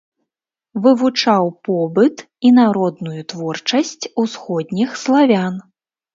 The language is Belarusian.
Вывучаў побыт і народную творчасць усходніх славян.